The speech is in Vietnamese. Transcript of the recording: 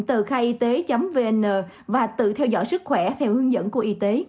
tờ khaiyt vn và tự theo dõi sức khỏe theo hướng dẫn của y tế